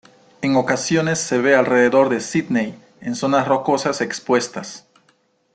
En ocasiones se ve alrededor de Sídney, en zonas rocosas expuestas.